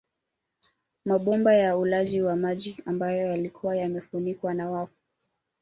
Mabomba ya ulaji wa maji ambayo yalikuwa yamefunikwa na wafu